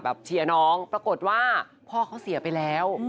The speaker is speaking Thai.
เชียร์น้องปรากฏว่าพ่อเขาเสียไปแล้ว